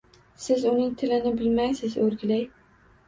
Siz uning tilini bilmaysiz, o‘rgilay!